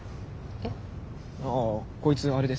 えっ？